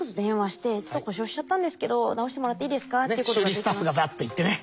修理スタッフがバッと行ってね